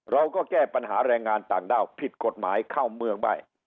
เราก็แก้ปัญหาแรงงานต่างด้าวผิดกฎหมายเข้าเมืองได้